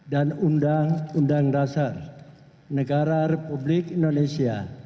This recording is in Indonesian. dan undang undang dasar negara republik indonesia